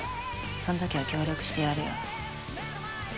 そんときは協力してやるよ。